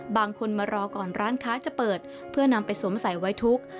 บางคนมารอก่อนร้านค้าจะเปิดเพื่อนำไปสวมใส่ไว้ทุกข์